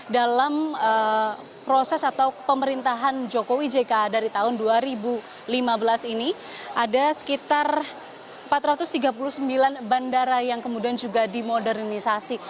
dalam proses atau pemerintahan jokowi jk dari tahun dua ribu lima belas ini ada sekitar empat ratus tiga puluh sembilan bandara yang kemudian juga dimodernisasi